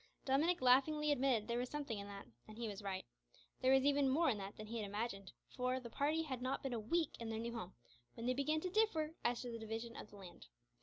Dominick laughingly admitted that there was something in that and he was right. There was even more in that than he had imagined, for the party had not been a week in their new home when they began to differ as to the division of the island.